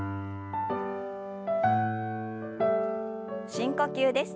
深呼吸です。